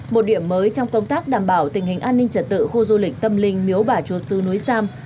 một điểm mới trong công tác đảm bảo tình hình an ninh trật tự khu du lịch tâm linh miếu bà chuột sư núi sam